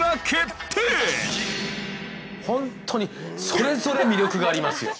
ほんとにそれぞれ魅力がありますよ。